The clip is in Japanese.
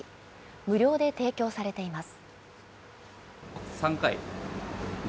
無料で提供されています。